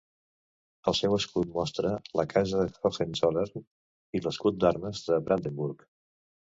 El seu escut mostra la Casa de Hohenzollern i l'escut d'armes de Brandenburg.